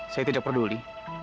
saya tidak peduli